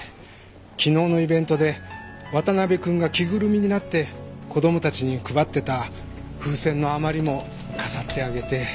昨日のイベントで渡辺くんが着ぐるみになって子供たちに配ってた風船の余りも飾ってあげて。